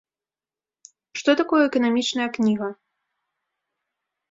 Што такое эканамічная кніга?